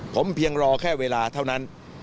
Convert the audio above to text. ผมเพียงรอแค่เวลาเท่านั้น